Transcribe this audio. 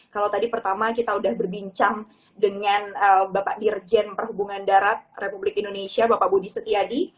kalau tadi pertama kita sudah berbincang dengan bapak dirjen perhubungan darat republik indonesia bapak budi setiadi